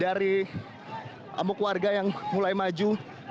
dari amuk warga yang mulai maju